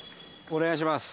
お願いします。